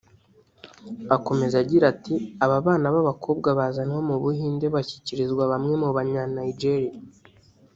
Akomeza agira ati “Aba bana b’abakobwa bazanwa mu Buhinde bashyikirizwa bamwe mu Banyanijeriya